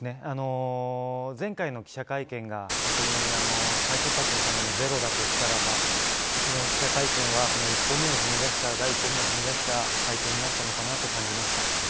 前回の記者会見が本当に、再出発のためのゼロだとしたら昨日の記者会見はその第一歩目を踏み出した会見になったのかなと感じました。